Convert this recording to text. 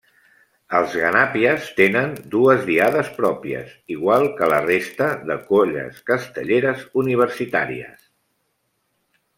Els Ganàpies tenen dues diades pròpies, igual que la resta de colles castelleres universitàries.